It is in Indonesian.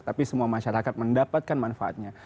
tapi semua masyarakat mendapatkan manfaatnya